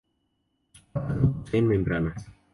Sus patas no poseen membranas.